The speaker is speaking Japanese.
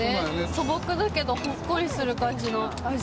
素朴だけどほっこりする感じの味。